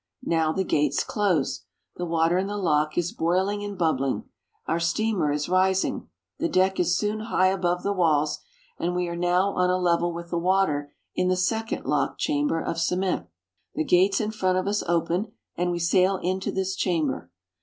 Now the gates close. The water in the lock is boiling and bubbUng. Our steamer is rising. The deck is soon high above the walls, and we are now on a level with the water in the second lock chamber of cement. The gates in front of us open and we sail into this chamber.